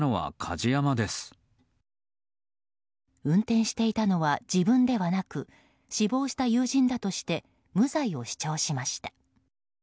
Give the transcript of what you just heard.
運転していたのは自分ではなく死亡した友人だとして無罪を主張しました。